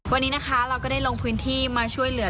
วันนี้นะคะเราก็ได้ลงพื้นที่มาช่วยเหลือ